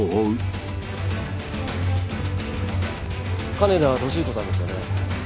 金田俊彦さんですよね？